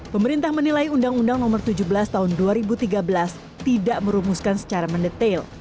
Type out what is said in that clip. pemerintah menilai undang undang nomor tujuh belas tahun dua ribu tiga belas tidak merumuskan secara mendetail